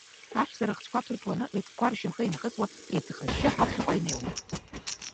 Аҳәса рыхцәқәа ԥыртланы, рыҵкқәа ршьамхы инахысуа, еицхрашьшьы, ҳаԥхьаҟа инеиуан.